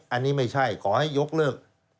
อันนี้ไม่ใช่ขอให้ยกเลิก